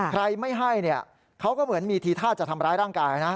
ใครไม่ให้เนี่ยเขาก็เหมือนมีทีท่าจะทำร้ายร่างกายนะ